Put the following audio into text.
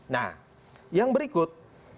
nah yang berikut